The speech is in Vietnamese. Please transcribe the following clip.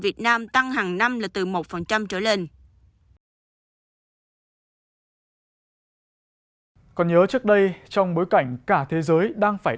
xin chào và hẹn gặp lại